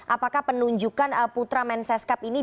apakah penunjukan putra menseskap ini